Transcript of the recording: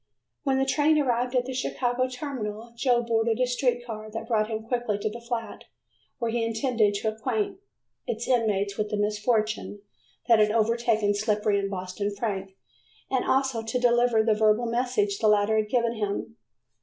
When the train arrived at the Chicago terminal, Joe boarded a street car that brought him quickly to the flat where he intended to acquaint its inmates with the misfortune that had overtaken Slippery and Boston Frank, and also to deliver the verbal message the latter had given him.